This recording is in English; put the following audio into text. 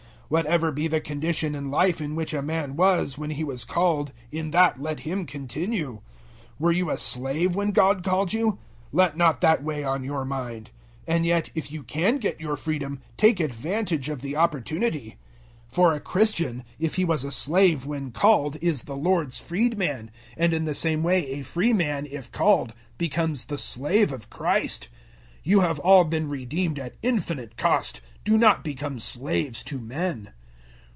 007:020 Whatever be the condition in life in which a man was, when he was called, in that let him continue. 007:021 Were you a slave when God called you? Let not that weigh on your mind. And yet if you can get your freedom, take advantage of the opportunity. 007:022 For a Christian, if he was a slave when called, is the Lord's freed man, and in the same way a free man, if called, becomes the slave of Christ. 007:023 You have all been redeemed at infinite cost: do not become slaves to men.